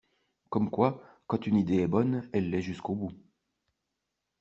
Comme quoi, quand une idée est bonne, elle l’est jusqu’au bout.